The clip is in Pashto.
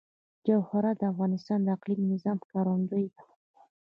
جواهرات د افغانستان د اقلیمي نظام ښکارندوی ده.